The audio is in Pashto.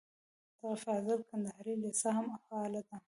د فاضل کندهاري لېسه هم فعاله ده.